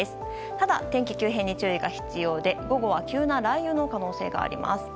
ただ、天気急変に注意が必要で午後は急な雷雨の可能性があります。